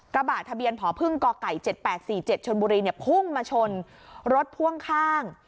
กระบะทะเบียนพพ๗๘๔๗ชนบุรีพุ่งมาชนรถพ่วงข้าง